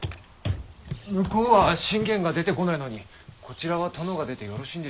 向こうは信玄が出てこないのにこちらは殿が出てよろしいんでしょうか？